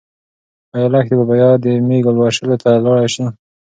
ايا لښتې به بیا د مېږو لوشلو ته لاړه شي؟